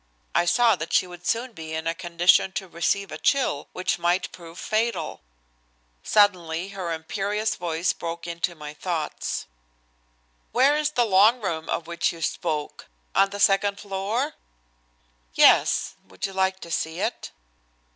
I saw that she would soon be in a condition to receive a chill, which might prove fatal. Suddenly her imperious voice broke into my thoughts. "Where is the Long Room of which you spoke? On the second floor?" "Yes. Would you like to see it?"